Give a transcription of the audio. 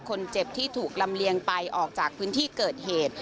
คนเจ็บที่ถูกลำเลียงไปออกจากพื้นที่เกิดเหตุ